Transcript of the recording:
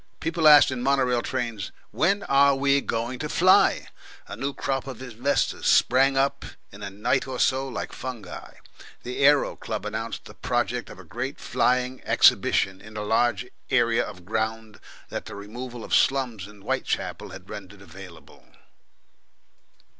People asked in mono rail trains, "When are we going to fly?" A new crop of inventors sprang up in a night or so like fungi. The Aero Club announced the project of a great Flying Exhibition in a large area of ground that the removal of slums in Whitechapel had rendered available.